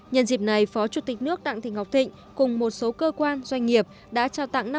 nhân dịp này phó chủ tịch nước đặng thị ngọc thịnh cùng một số cơ quan doanh nghiệp đã trao tặng